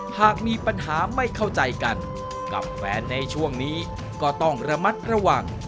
หากมีปัญหาไม่เข้าใจกันกับแฟนในช่วงนี้ก็ต้องระมัดระวัง